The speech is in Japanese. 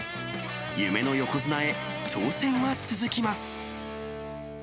夢の横綱へ挑戦は続きます。